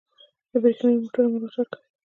د بریښنايي موټرو ملاتړ کوي.